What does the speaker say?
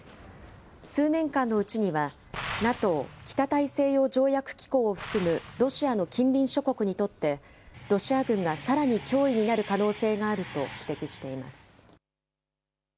数年間のうちには、ＮＡＴＯ・北大西洋条約機構を含むロシアの近隣諸国にとって、ロシア軍がさらに脅威になる可能性があると指摘しています。